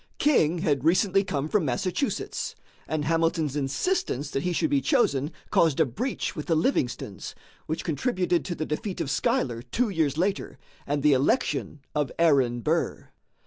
King had recently come from Massachusetts, and Hamilton's insistence that he should be chosen caused a breach with the Livingstons, which contributed to the defeat of Schuyler two years later and the election of Aaron Burr.